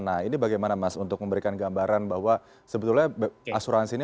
nah ini bagaimana mas untuk memberikan gambaran bahwa sebetulnya asuransi ini